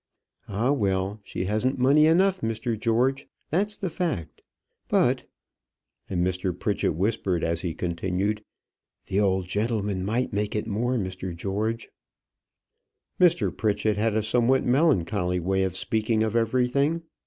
Ah, well! she hasn't money enough, Mr. George; that's the fact; that's the fact. But" and Mr. Pritchett whispered as he continued "the old gentleman might make it more, Mr. George." Mr. Pritchett had a somewhat melancholy way of speaking of everything.